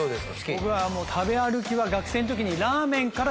僕は食べ歩きは学生ん時に。